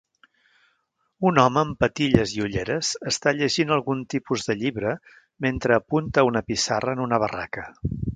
Un home amb patilles i ulleres està llegint algun tipus de llibre mentre apunta a una pissarra en una barraca